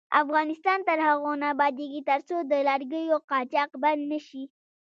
افغانستان تر هغو نه ابادیږي، ترڅو د لرګیو قاچاق بند نشي.